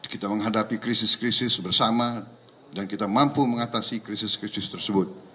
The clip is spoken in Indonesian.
kita menghadapi krisis krisis bersama dan kita mampu mengatasi krisis krisis tersebut